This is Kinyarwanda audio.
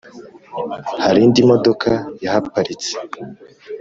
harindi modoka yahaparitse